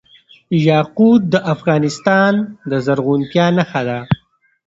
یاقوت د افغانستان د زرغونتیا نښه ده.